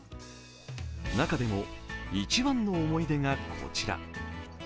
中でも一番の思い出がこちら。